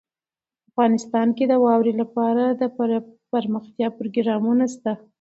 افغانستان کې د واورې لپاره دپرمختیا پروګرامونه شته دي.